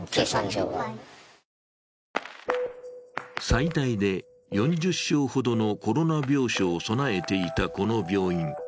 最大で４０床ほどのコロナ病床を備えていたこの病院。